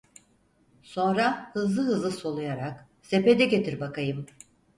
Sonra hızlı hızlı soluyarak: "Sepeti getir bakayım!"